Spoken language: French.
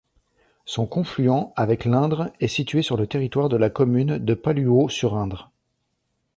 Son confluent avec l'Indre est situé sur le territoire de la commune de Palluau-sur-Indre.